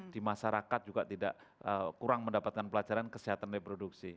di masyarakat juga tidak kurang mendapatkan pelajaran kesehatan reproduksi